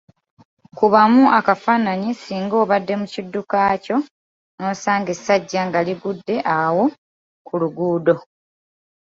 Kubamu akafaananyi singa obadde mu kidduka kyo n‘osanga essajja nga ligudde awo ku luguudo.